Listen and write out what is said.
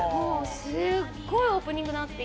すごいオープニングだなって。